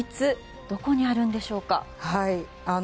どこにあるんでしょうか？